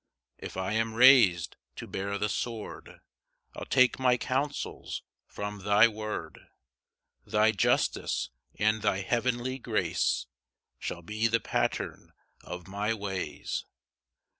2 If I am rais'd to bear the sword, I'll take my counsels from thy word; Thy justice and thy heavenly grace Shall be the pattern of my ways.